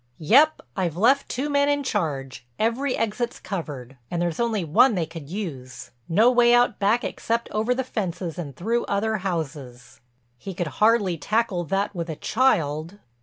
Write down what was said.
"Yep—I've left two men in charge—every exit's covered. And there's only one they could use—no way out back except over the fences and through other houses." "He could hardly tackle that with a child."